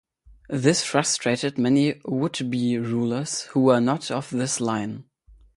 This frustrated many would-be rulers who were not of this line.